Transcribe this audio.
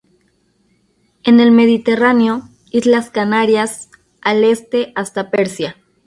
En el Mediterráneo, Islas Canarias, al este hasta Persia.